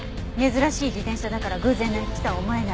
珍しい自転車だから偶然の一致とは思えない。